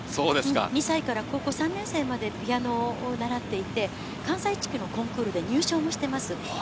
２歳から高校３年生までピアノを習っていて、関西地区のコンクールで優勝もしています。